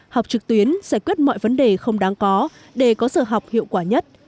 học trực tuyến giải quyết mọi vấn đề không đáng có để có giờ học hiệu quả nhất